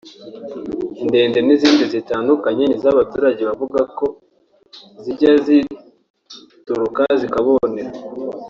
inkende n’ izindi zitandukanye nizo aba baturage bavuga ko zijya zitoroka zikabononera